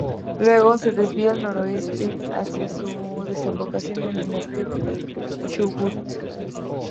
Luego, se desvía al noreste hacia su desembocadura en el río Chubut.